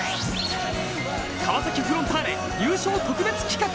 川崎フロンターレ優勝特別企画。